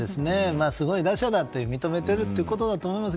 すごい打者だと認めてるということだと思います。